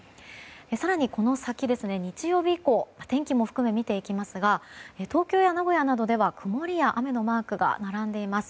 更にこの先、日曜日以降天気も含め見ていきますが東京や名古屋などでは曇りや雨のマークが並んでいます。